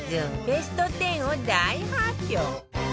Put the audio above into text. ベスト１０を大発表